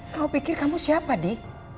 kau pikir kamu siapa nih